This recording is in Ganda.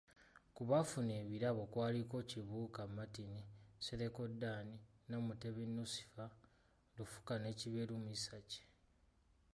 Ku baafuna ebirabo kwaliko; Kibuuka Martin, Nsereko Dan, Namutebi Nusifa, Lufuka ne Kiberu Misaaki.